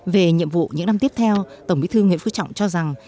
về nhiệm vụ những năm tiếp theo tổng bí thư nguyễn phú trọng cho rằng